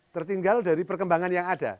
tertinggal dari perkembangan yang ada